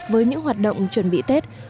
với những hoạt động chuẩn bị tết